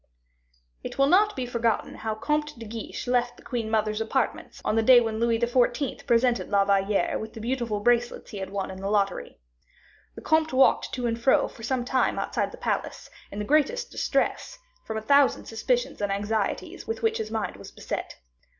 It will not be forgotten how Comte de Guiche left the queen mother's apartments on the day when Louis XIV. presented La Valliere with the beautiful bracelets he had won in the lottery. The comte walked to and fro for some time outside the palace, in the greatest distress, from a thousand suspicions and anxieties with which his mind was beset.